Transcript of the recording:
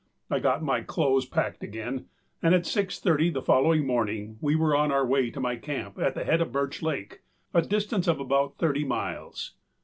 I got my clothes packed again, and at six thirty the following morning we were on our way to my camp at the head of Birch Lake, a distance of about thirty miles.